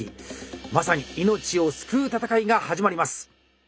まさに命を救う闘いが始まります。